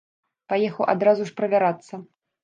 Паехаў адразу ж правярацца.